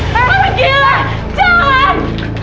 kamu gila jangan